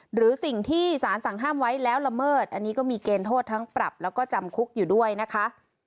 หรือสิ่งที่สารสั่งห้ามไว้แล้วละเมิดอันนี้ก็มีเกณฑ์โทษทั้งปรับแล้วก็จำคุกอยู่ด้วยนะคะ